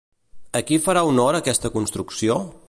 A qui farà honor aquesta construcció?